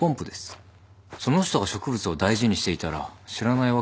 その人が植物を大事にしていたら知らないわけがないと思う。